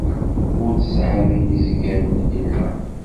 Ur tesɛid i yezggan yella.